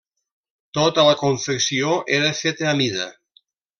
Tota la confecció era feta a mida.